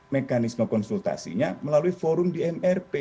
mekanisme konsultasinya melalui forum di mrp